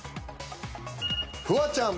フワちゃん。